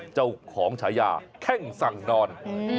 เจ้าของชายาแข้งสั่งนอน